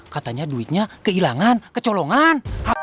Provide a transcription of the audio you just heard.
katanya duitnya kehilangan kecolongan